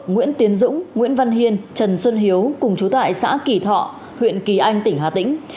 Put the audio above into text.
nguyễn tiến dũng nguyễn văn hiên trần xuân hiếu cùng chú tại xã kỳ thọ huyện kỳ anh tỉnh hà tĩnh